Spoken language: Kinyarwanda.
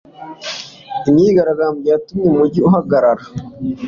Imyigaragambyo yatumye umujyi uhagarara.